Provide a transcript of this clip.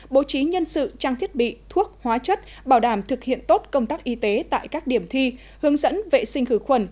bố trí nhân sự trang thiết bị thuốc hóa chất bảo đảm thực hiện tốt công tác y tế tại các điểm thi hướng dẫn vệ sinh khử khuẩn